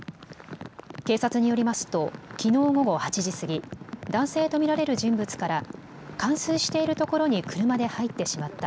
警察によりますときのう午後８時過ぎ、男性と見られる人物から冠水しているところに車で入ってしまった。